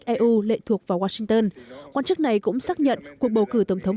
tương tự của eu lệ thuộc vào washington quan chức này cũng xác nhận cuộc bầu cử tổng thống